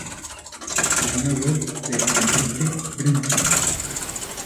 Página web de Enrique Brinkmann